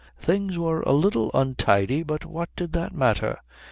Things were a little untidy, but what did that matter?